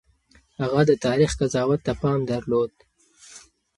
هغه د تاريخ قضاوت ته پام درلود.